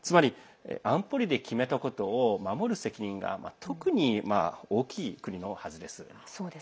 安保理で決めたことを守る責任が特に大きい国のはずです。